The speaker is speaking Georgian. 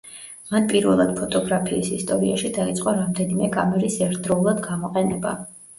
მან პირველად ფოტოგრაფიის ისტორიაში დაიწყო რამდენიმე კამერის ერთდროულად გამოყენება.